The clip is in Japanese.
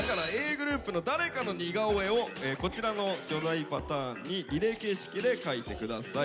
ｇｒｏｕｐの誰かの似顔絵をこちらの巨大パターンにリレー形式で書いて下さい。